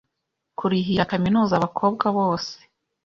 Kurihira Kaminuza abakobwa bose